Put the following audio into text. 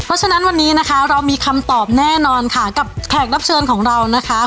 เพราะฉะนั้นวันนี้นะคะเรามีคำตอบแน่นอนค่ะกับแขกรับเชิญของเรานะคะ